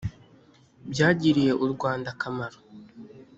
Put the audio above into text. byagiriye u rwanda akamaro